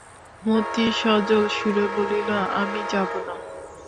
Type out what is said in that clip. মতি সজলসুরে বলিল, আমি যাব না।